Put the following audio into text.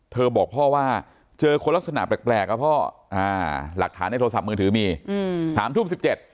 เธอบอกพ่อว่าเจอคนลักษณะแปลกพ่อหลักฐานในโทรศัพท์มือถือมี๓ทุ่ม๑๗